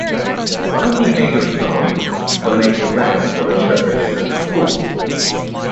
One of the Hager sons donated land for a church and a school.